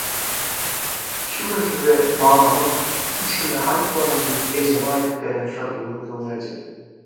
Şügün size mamamyň "hiçkime aýtmagyn" diýip ejeme aýdyp beren syryny gürrüň berjek.